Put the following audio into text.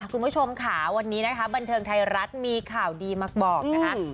คุณผู้ชมค่ะวันนี้นะคะบันเทิงไทยรัฐมีข่าวดีมาบอกนะคะ